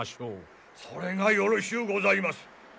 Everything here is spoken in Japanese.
それがよろしゅうございます。